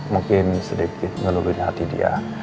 mungkin sedikit ngelurin hati dia